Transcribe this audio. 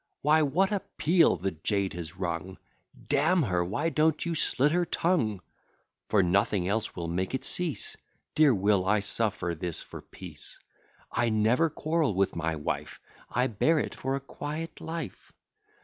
Why what a peal the jade has rung! D n her, why don't you slit her tongue? For nothing else will make it cease. Dear Will, I suffer this for peace: I never quarrel with my wife; I bear it for a quiet life.